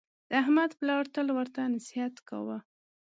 د احمد پلار تل ورته نصحت کاوه: